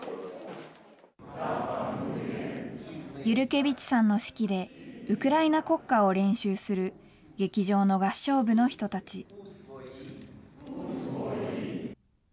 ユルケヴィチさんの指揮でウクライナ国歌を練習する劇場の合唱部の人たち。